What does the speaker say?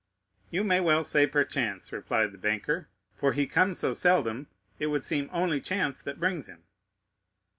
"You may well say, perchance," replied the banker; "for he comes so seldom, it would seem only chance that brings him."